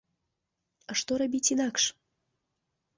А што рабіць інакш?